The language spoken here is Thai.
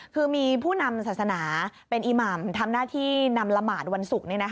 คือมีผู้นำศาสนาเป็นอีหม่ำทำหน้าที่นำละหมาดวันศุกร์